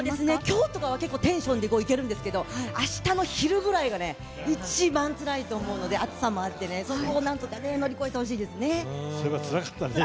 きょうとかはテンションでいけるんですけど、あしたの昼ぐらいがね、一番つらいと思うので、暑さもあってね、そこをなんとか乗り越えそういえば、つらかったね。